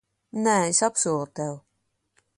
Nē, es apsolu tev.